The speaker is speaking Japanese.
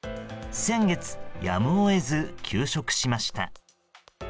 先月、やむを得ず休職しました。